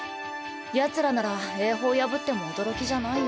やつらなら英邦破っても驚きじゃないよ。